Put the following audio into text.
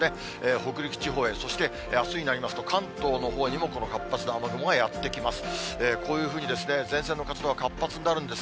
北陸地方へ、そしてあすになりますと、関東のほうにもこの活発な雨雲がやって来ます。